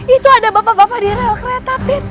itu ada bapak bapak di rel kereta pin